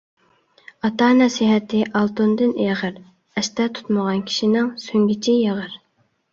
ئاتا نەسىھەتى ئالتۇندىن ئېغىر، ئەستە تۇتمىغان كىشىنىڭ سۆڭگىچى يېغىر.